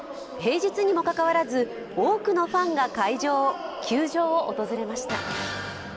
平日にもかかわらず、多くのファンが球場を訪れました。